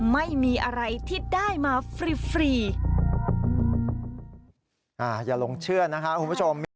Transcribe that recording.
ไม่มีอะไรที่ได้มาฟรีฟรี